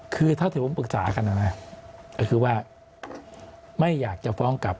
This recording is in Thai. คือถ้าเฉพาะผมปรึกษากันนะคือว่าไม่อยากจะฟ้องกลับ